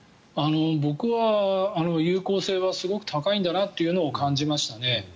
僕は有効性はすごく高いんだなというのを感じましたね。